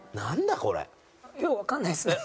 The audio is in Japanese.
ようわかんないですね。